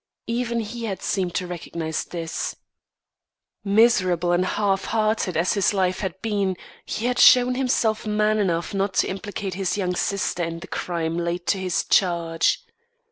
Even he had seemed to recognise this. Miserable and half hearted as his life had been, he had shown himself man enough not to implicate his young sister in the crime laid to his charge.